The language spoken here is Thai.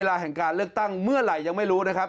เวลาแห่งการเลือกตั้งเมื่อไหร่ยังไม่รู้นะครับ